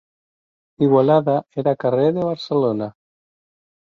Igualada era carrer de Barcelona.